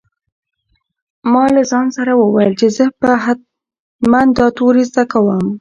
ما له ځان سره وویل چې زه به هم حتماً دا توري زده کوم.